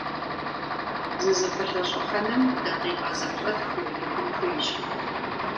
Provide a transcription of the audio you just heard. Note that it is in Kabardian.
ЗызыпылъэщӀыхьыным дакъикъэ зыплӏытху иубыдын хуейщ.